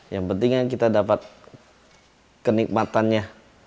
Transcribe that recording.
yang pentingnya kita dapat kenikmatannya